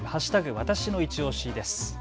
わたしのいちオシです。